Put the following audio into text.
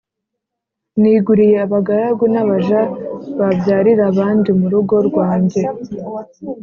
niguriye abagaragu n’abaja babyarira abandi mu rugo rwanjye,